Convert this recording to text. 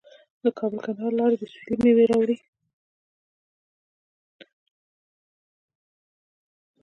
د کابل کندهار لاره د سویل میوې راوړي.